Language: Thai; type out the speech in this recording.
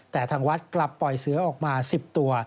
แต่ทางวัดกลับปล่อยเสือออกมา๑๐ตัว